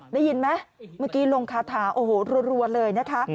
ได้ยินไหมเมื่อกี้ลงคาถาโอ้โหรัวเลยนะคะ